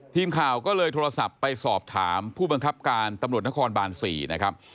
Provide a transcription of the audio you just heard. ทีมข่าวก็เลยโทรศัพท์ไปสอบถามผู้บังคับการตำรวจนครบาน๔นะครับ